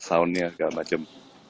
soundnya segala macem